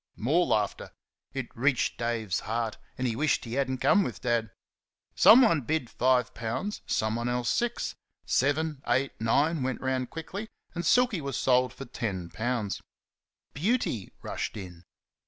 More laughter. It reached Dave's heart, and he wished he had n't come with Dad. Someone bid five pounds, someone else six; seven eight nine went round quickly, and Silky was sold for ten pounds. "Beauty" rushed in.